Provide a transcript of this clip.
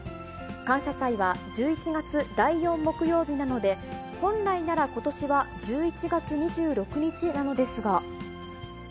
感謝祭は１１月第４木曜日なので、本来ならことしは１１月２６日なのですが。